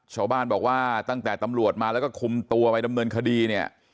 ชาวบ้านบอกว่าตั้งแต่ตำรวจมาแล้วก็คุมตัวไปดำเนินคดีเนี่ย